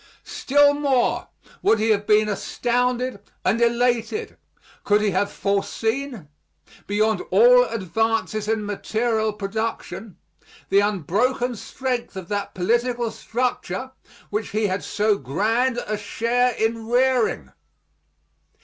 Still more would he have been astounded and elated could he have foreseen, beyond all advances in material production, the unbroken strength of that political structure which he had so grand a share in rearing.